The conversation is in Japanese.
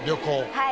はい。